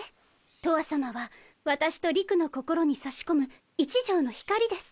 とわさまは私と理玖の心に差し込む一条の光です。